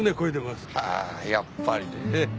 あやっぱりねえ。